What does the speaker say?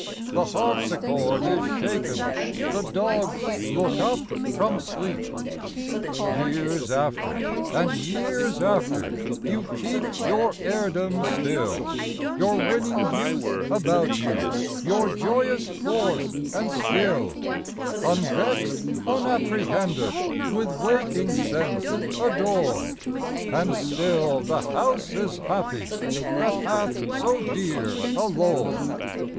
The harpsichord is shaken, the dogs look up from sleep. Years after, and years after, you keep your heirdom still, Your winning youth about you, your joyous force and skill, Unvexed, unapprehended, with waking sense adored; And still the house is happy that hath so dear a lord.